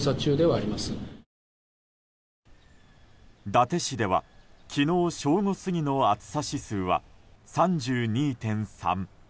伊達市では昨日正午過ぎの暑さ指数は３２．３。